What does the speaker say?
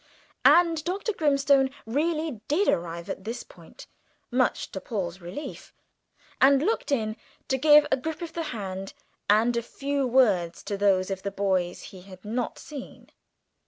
And Dr. Grimstone really did arrive at this point, much to Paul's relief, and looked in to give a grip of the hand and a few words to those of the boys he had not seen.